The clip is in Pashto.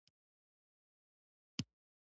ځکه نو فکر کوئ چې مغلوبېدل ښه دي.